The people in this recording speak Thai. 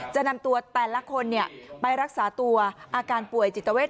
จะนำตัวแต่ละคนไปรักษาตัวอาการป่วยจิตเวท